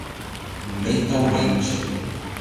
mentalmente